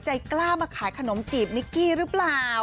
ใจกล้ามาขายขนมจีบนิกกี้หรือเปล่า